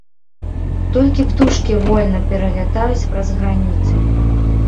Толькі птушкі вольна пералятаюць праз граніцу.